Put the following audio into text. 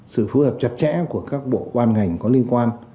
sự phù hợp chặt chẽ của các bộ ban ngành có liên quan